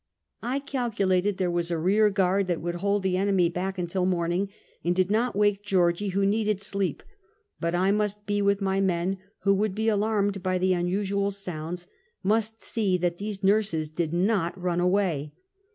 I calculated there was a rear guard that would hold the enemy back until morning, and did not wake Georgie, who needed sleep; but I must be with my men, who would be alarmed by the unusual sounds; must see that those nurses did not run away.